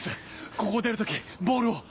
ここを出る時ボールを。